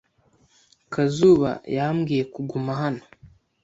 Kazuba yambwiye kuguma hano.